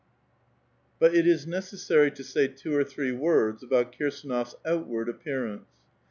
But it is necessary to say two or three words about Kirsd ^^lof's outward appearance.